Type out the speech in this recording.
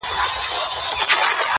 له یوې خوني تر بلي پوری تلله -